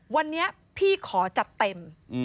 วันนี้พี่ขอจัดเต็ม